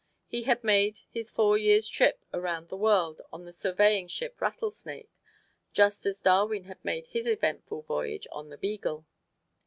He had made his four years' trip around the world on the surveying ship "Rattlesnake," just as Darwin had made his eventful voyage on the "Beagle."